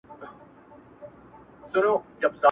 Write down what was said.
دژوندون باقي سفره نور به لوری پر دې خوا کم,